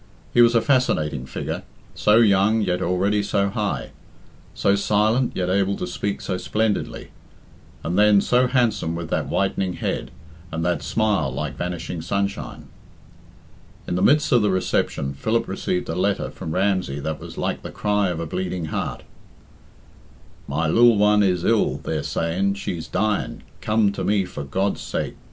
He was a fascinating figure so young, yet already so high; so silent, yet able to speak so splendidly; and then so handsome with that whitening head, and that smile like vanishing sunshine. In the midst of the reception, Philip received a letter from Ramsey that was like the cry of a bleeding heart: "My lil one is ill theyr sayin shes Diein cum to me for gods. sake.